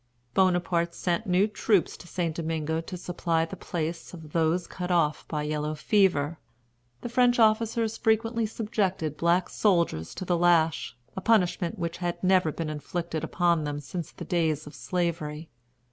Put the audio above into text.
Bonaparte sent new troops to St. Domingo to supply the place of those cut off by yellow fever. The French officers frequently subjected black soldiers to the lash, a punishment which had never been inflicted upon them since the days of Slavery.